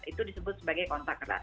itu disebut sebagai kontak erat